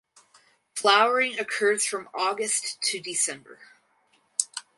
Flowering occurs from August to December.